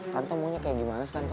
tante maunya kayak gimana sih tante